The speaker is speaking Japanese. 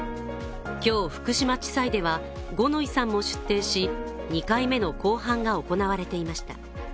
今日、福島地裁では五ノ井さんも出廷し２回目の公判が行われていました。